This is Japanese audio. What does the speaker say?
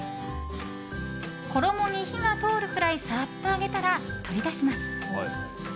衣に火が通るくらいさっと揚げたら取り出します。